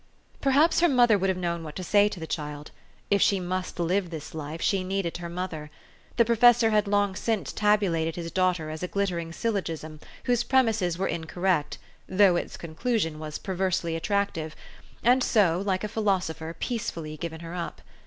Perhaps her mother would have known what to say to the child. If she must live this life, she needed her mother. The professor had long since tabulated his daughter as a glittering syllogism whose premises were incorrect, though its conclusion was perversely attractive, and so, like a philosopher, peacefully given her up.